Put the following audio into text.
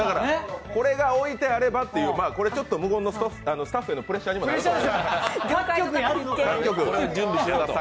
これが置いてあればという無言のスタッフへのプレッシャーにもなります。